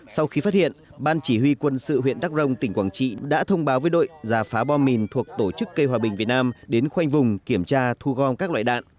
sau khi phát hiện ban chỉ huy quân sự huyện đắk rông tỉnh quảng trị đã thông báo với đội giả phá bom mìn thuộc tổ chức cây hòa bình việt nam đến khoanh vùng kiểm tra thu gom các loại đạn